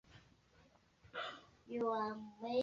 Kama ilivyo Kwa wahaya wanyambo wakiga wanyoro